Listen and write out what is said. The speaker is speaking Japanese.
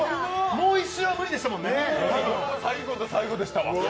もう一周は無理でしたもんね。